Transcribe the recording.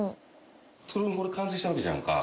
創君これ完成したわけじゃんか。